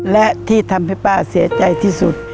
และที่ทำให้ป้าเสียใจที่สุด